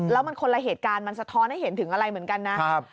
แล้วมันคนละเหตุการณ์มันสะท้อนให้เห็นถึงอะไรเหมือนกันนะ